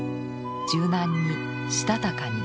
柔軟にしたたかに。